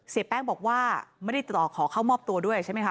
เสียแป้งบอกว่าไม่ได้ติดต่อขอเข้ามอบตัวด้วยใช่ไหมคะ